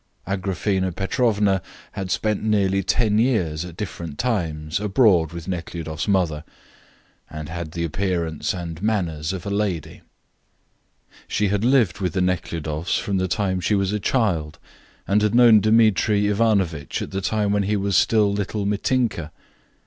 Agraphena Petrovna had spent nearly ten years, at different times, abroad with Nekhludoff's mother, and had the appearance and manners of a lady. She had lived with the Nekhludoffs from the time she was a child, and had known Dmitri Ivanovitch at the time when he was still little Mitinka.